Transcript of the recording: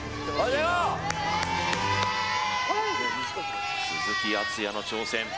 プレー鈴木敦也の挑戦